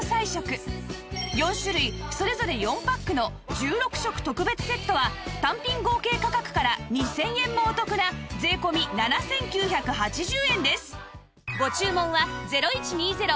４種類それぞれ４パックの１６食特別セットは単品合計価格から２０００円もお得な税込７９８０円です